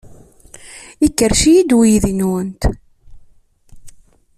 Ikerrec-iyi uydi-nwent.